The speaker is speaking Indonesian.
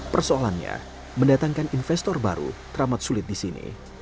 persoalannya mendatangkan investor baru teramat sulit di sini